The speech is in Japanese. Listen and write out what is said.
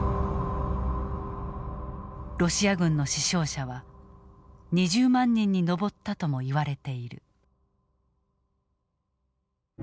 ロシア軍の死傷者は２０万人に上ったともいわれている。